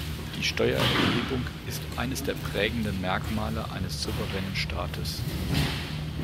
Die Steuererhebung ist eines der prägenden Merkmale eines souveränen Staates.